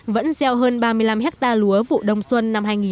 vẫn gieo hơn ba mươi năm hecta lúa vụ đông xuân